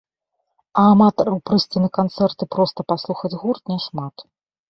А аматараў прыйсці на канцэрт і проста паслухаць гурт не шмат.